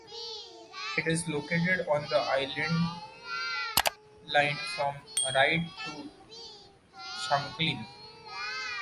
It is located on the Island Line from Ryde to Shanklin.